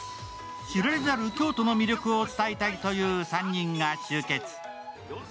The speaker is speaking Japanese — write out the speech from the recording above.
知られざる京都の魅力を伝えたいという３人が集結。